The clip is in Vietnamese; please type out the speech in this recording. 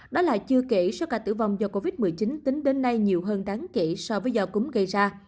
đó là chưa kể sao cả tử vong do covid một mươi chín tính đến nay nhiều hơn đáng kể so với do cúng gây ra